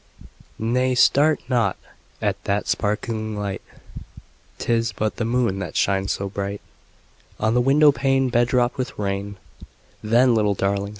10 Nay! start not at that sparkling light; 'Tis but the moon that shines so bright On the window pane bedropped with rain: Then, little Darling!